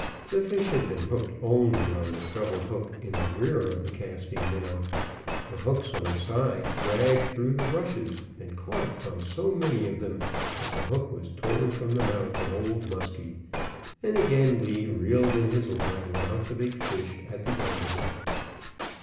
The fish had been hooked only on the treble hook in the rear of the casting minnow; the hooks on the side dragged through the rushes, and caught upon so many of them that the hook was torn from the mouth of Old Muskie, and again Lee reeled in his line without the big fish at the end of it.